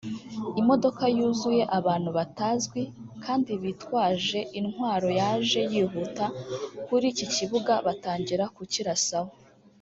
Imodoka yuzuye abantu batazwi kandi bitwaje intwaro yaje yihuta kuri iki kibuga batangira kukirasaho